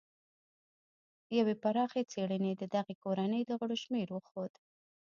یوې پراخې څېړنې د دغې کورنۍ د غړو شمېر وښود.